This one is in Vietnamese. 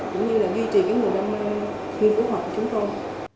cũng như là duy trì cái nguồn đam mê nghiên cứu hóa của chúng tôi